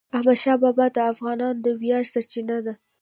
احمدشاه بابا د افغانانو د ویاړ سرچینه ده.